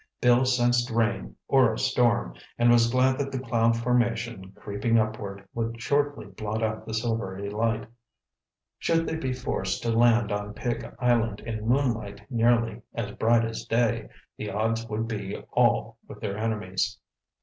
Bill sensed rain or a storm and was glad that the cloud formation, creeping upward, would shortly blot out the silvery light. Should they be forced to land on Pig Island in moonlight nearly as bright as day, the odds would be all with their enemies.